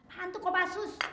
apaan tuh kopasus